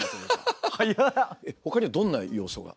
ほかにはどんな要素が？